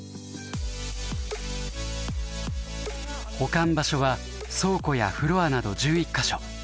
保管場所は倉庫やフロアなど１１か所。